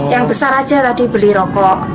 yang besar aja tadi beli rokok